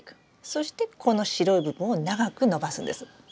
そしてこの白い部分を長く伸ばすんです。